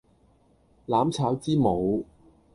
攬抄之母